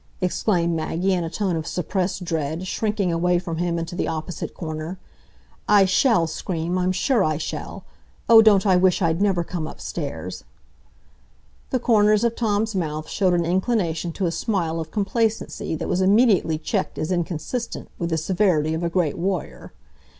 exclaimed Maggie, in a tone of suppressed dread, shrinking away from him into the opposite corner. "I shall scream—I'm sure I shall! Oh, don't I wish I'd never come upstairs!" The corners of Tom's mouth showed an inclination to a smile of complacency that was immediately checked as inconsistent with the severity of a great warrior.